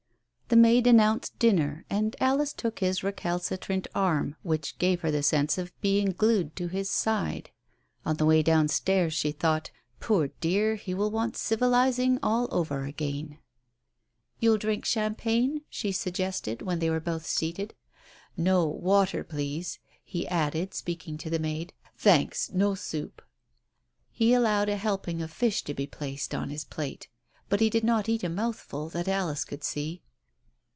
The maid announced dinner, and Alice took his recal citrant arm, which gave her the sense of being glued to his side. On the way downstairs she thought, " Poor dear, he will want civilizing all over again !" "You'll drink champagne?" she suggested, when they were both seated. "No, water, please." He added, speaking to the maid, "Thanks, no soup !" He allowed a helping of fish to be placed on his plate, but he did not eat a mouthful, that Alice could see.